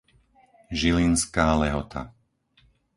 Žilinská Lehota